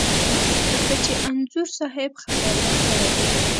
لکه چې انځور صاحب خبر ورکړی و.